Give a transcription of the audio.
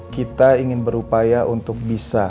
kita ingin berupaya untuk bisa